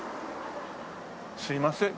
すいません。